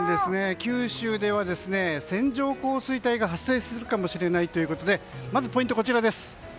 九州では線状降水帯が発生するかもしれないということでまずポイントこちらです。